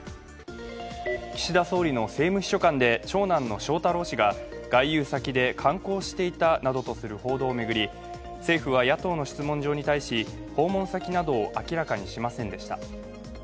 岸田総理の政務秘書官で長男の翔太郎氏が外遊先で観光していたなどとする報道を巡り、政府は野党の質問状に対し訪問先などを明らかにしませんでした。